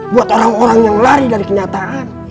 buat orang orang yang lari dari kenyataan